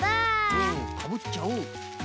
うんかぶっちゃおう。